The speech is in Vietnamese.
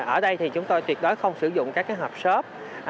ở đây thì chúng tôi tuyệt đối không sử dụng các hộp xốp